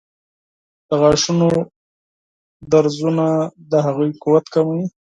د غاښونو درزونه د هغوی قوت کموي.